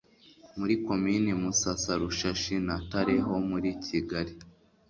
muri Komini Musasa, Rushashi na Tare ho muri Kigali.